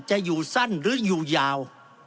จะอยู่สั้นหรืออยู่ยาว